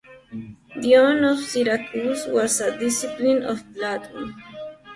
Dion of Syracuse was a disciple of Plato.